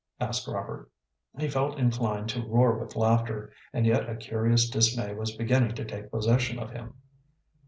asked Robert. He felt inclined to roar with laughter, and yet a curious dismay was beginning to take possession of him.